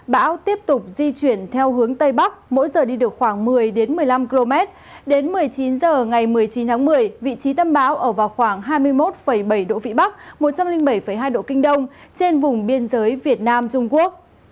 bây giờ ngày một mươi chín tháng một mươi vị trí tâm báo ở vào khoảng hai mươi một bảy độ vị bắc một trăm linh bảy hai độ kinh đông trên vùng biên giới việt nam trung quốc